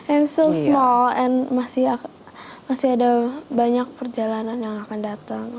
aku masih kecil dan masih ada banyak perjalanan yang akan datang